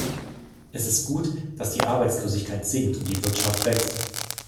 Es ist gut, dass die Arbeitslosigkeit sinkt und die Wirtschaft wächst.